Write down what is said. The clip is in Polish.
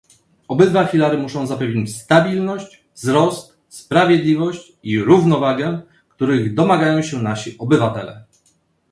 Obydwa filary muszą zapewniać stabilność, wzrost, sprawiedliwość i równowagę, których domagają się nasi obywatele